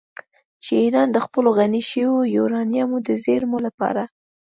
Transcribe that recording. چې ایران د خپلو غني شویو یورانیمو د زیرمو لپاره